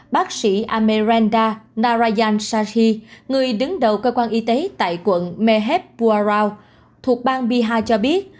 bác sĩ amerenda narayan shahi người đứng đầu cơ quan y tế tại quận meheb purao thuộc bang bihar cho biết